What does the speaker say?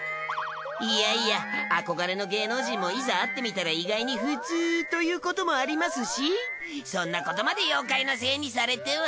いやいや憧れの芸能人もいざ会ってみたら意外に普通ということもありますしそんなことまで妖怪のせいにされては。